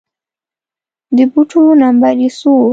د بوټو نمبر يې څو و